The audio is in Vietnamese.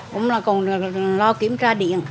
cũng là còn lo kiểm tra điện